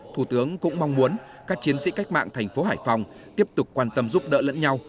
thủ tướng cũng mong muốn các chiến sĩ cách mạng thành phố hải phòng tiếp tục quan tâm giúp đỡ lẫn nhau